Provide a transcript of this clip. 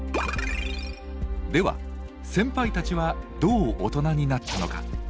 では先輩たちはどう大人になったのか。